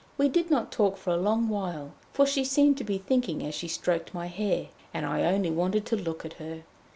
We did not talk for a long while, for she seemed to be thinking as she stroked my hair, and I only wanted to look at her.